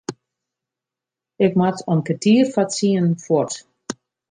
Ik moat om kertier foar tsienen fuort.